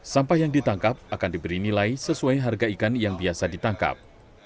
sampah yang ditangkap akan diberi nilai sesuai harga ikan yang biasa ditangkap